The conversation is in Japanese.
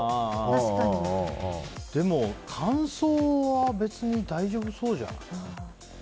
でも乾燥は別に大丈夫そうじゃない？